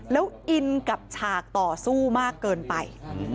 แล้วอินกับฉากต่อสู้มากเกินไป